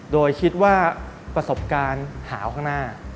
โดยคิดว่าประสบการณ์หาวข้างหน้า